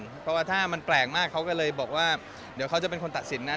เพราะว่าถ้ามันแปลกมากเขาก็เลยบอกว่าเดี๋ยวเขาจะเป็นคนตัดสินนะ